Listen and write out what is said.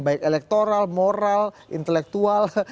baik elektoral moral intelektual